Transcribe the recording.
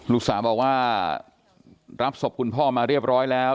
ลูกสาวบอกว่ารับศพคุณพ่อมาเรียบร้อยแล้ว